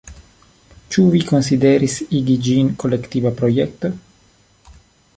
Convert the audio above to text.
Ĉu vi konsideris igi ĝin kolektiva projekto?